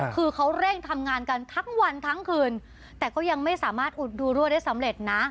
คือเขาเร่งทำงานกันทั้งวันทั้งคืนแต่ก็ยังไม่สามารถอุดดูรั่วได้สำเร็จนะ